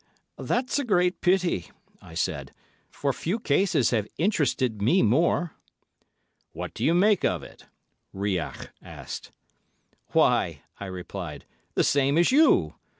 "That's a great pity," I said; "for few cases have interested me more." "What do you make of it?" Rouillac asked. "Why," I replied, "the same as you.